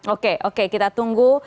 oke oke kita tunggu